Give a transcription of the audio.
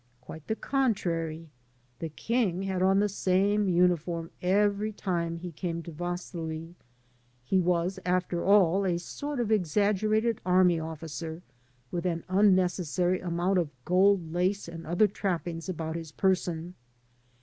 Quite the contrary: the king had on the same uniform every time he came to Vaslui. He was, after all, a sort of exaggerated army officer with an im necessary amount of gold lace and other trappings about his person.